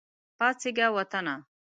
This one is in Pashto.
پاڅیږه وطنه !